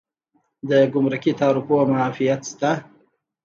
د ګمرکي تعرفو معافیت شته؟